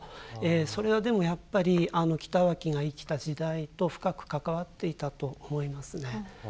それはでもやっぱり北脇が生きた時代と深く関わっていたと思いますね。